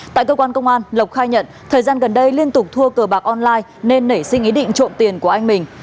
tại cơ quan công an lộc khai nhận thời gian gần đây liên tục thua cờ bạc online nên nảy sinh ý định trộm tiền của anh mình